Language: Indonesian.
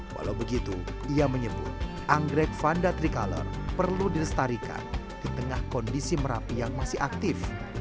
walau begitu ia menyebut anggrek vanda tricolor perlu dilestarikan di tengah kondisi merapi yang masih aktif